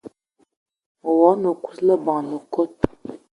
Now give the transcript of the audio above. Me wog-na o kousma leben le kot